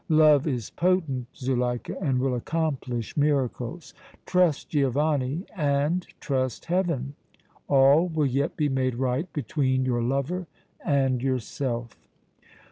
Love is potent, Zuleika, and will accomplish miracles. Trust Giovanni and trust Heaven! All will yet be made right between your lover and yourself!"